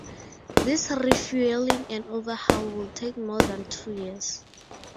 This refueling and overhaul would take more than two years.